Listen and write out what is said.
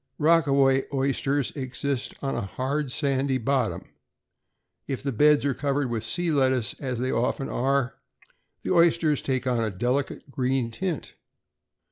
Rockaway oysters exist on a hard sandy bottom. If the beds are covered with sea lettuce, as they often are, the oysters take on a delicate green tint.